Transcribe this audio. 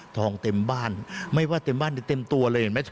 เต็มบ้านไม่ว่าเต็มบ้านเต็มตัวเลยเห็นไหม